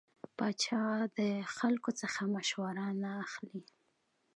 پاچا د خلکو څخه مشوره نه اخلي .